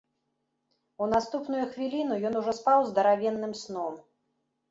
У наступную хвіліну ён ужо спаў здаравенным сном.